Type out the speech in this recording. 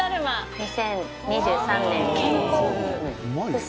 ２０２３年、健康。